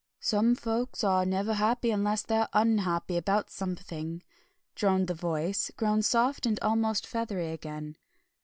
"Some folks are never happy unless they're unhappy about something!" droned the voice, grown soft and almost feathery again.